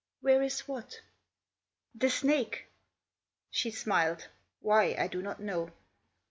"Where is what?" "The snake." She smiled ; why, I do not know.